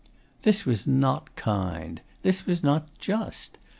This was not kind. This was not just.